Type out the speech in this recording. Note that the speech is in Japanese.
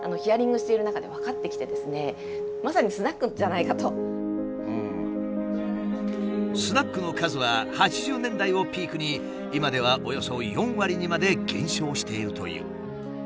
なんとスナックの数は８０年代をピークに今ではおよそ４割にまで減少しているという。